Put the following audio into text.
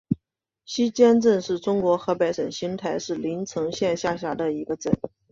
西竖镇是中国河北省邢台市临城县下辖的一个镇。